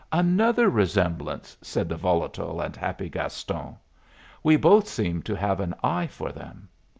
"Another resemblance!" said the volatile and happy Gaston. "We both seem to have an eye for them.